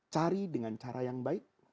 cari dengan cara yang baik